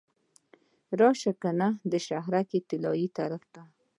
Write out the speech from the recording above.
راشه کنه د شهرک طلایې طرف ته.